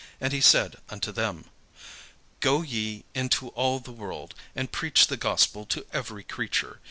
And he said unto them: "Go ye into all the world, and preach the gospel to every creature.